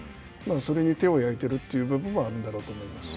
それに手を焼いている部分はあるんだろうと思います。